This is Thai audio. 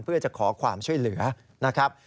เพื่อจะขอความช่วยเหลือนะครับ